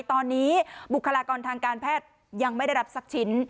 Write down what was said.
ตอนนี้บุคลากรทางการแพทย์ยังไม่ได้รับสักชิ้น